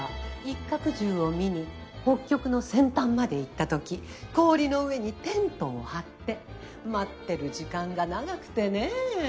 一角獣を見に北極の先端まで行ったとき氷の上にテントを張って待ってる時間が長くてねぇ。